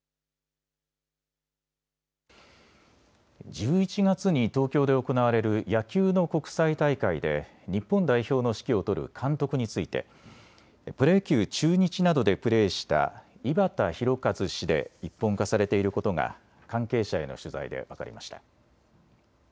１１月に東京で行われる野球の国際大会で日本代表の指揮を執る監督についてプロ野球・中日などでプレーした井端弘和氏で一本化されていることが関係者への取材で分かりました。